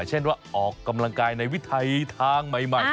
เช่นว่าออกกำลังกายในวิทัยทางใหม่